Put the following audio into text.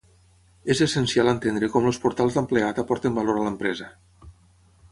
És essencial entendre com els portals d'empleat aporten valor a l'empresa.